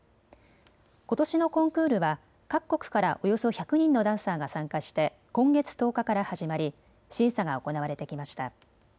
ことしのコンクールは各国からおよそ１００人のダンサーが参加して今月１０日から始まり審査が行われてきました。